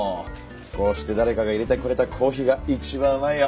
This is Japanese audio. こうして誰かがいれてくれたコーヒーが一番うまいよ。なあ？